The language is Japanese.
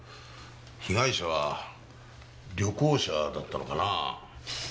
被害者は旅行者だったのかなあ。